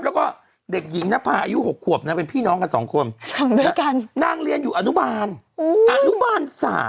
แล้วก็เด็กหญิงนภาอายุ๖ขวบนางเป็นพี่น้องกัน๒คน๒ด้วยกันนางเรียนอยู่อนุบาลอนุบาล๓